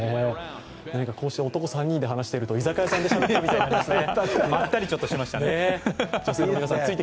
こうして男３人で話していると、居酒屋さんで話しているみたいでまったりしましたね。